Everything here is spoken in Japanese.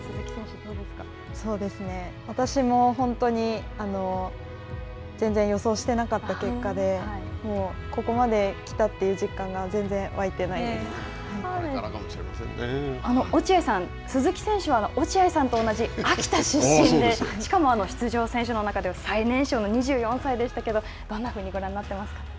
そうですね、私も本当に全然予想してなかった結果で、ここまで来たという実感が落合さん、鈴木選手は落合さんと同じ秋田出身で、しかも出場選手の中で最年少の２４歳でしたけど、どんなふうにご覧になっています